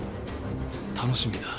楽しみだ。